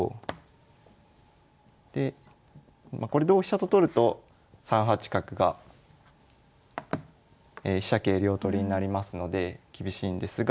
でこれ同飛車と取ると３八角が飛車桂両取りになりますので厳しいんですが。